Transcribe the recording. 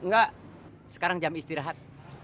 enggak sekarang jam istirahat